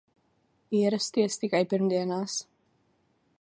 Ierasties tikai pirmdienās!